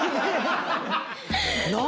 何？